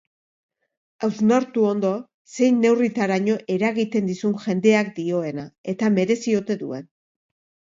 Hausnartu ondo zein neurritaraino eragiten dizun jendeak dioena eta merezi ote duen.